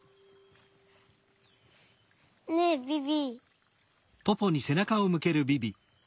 ねえビビ。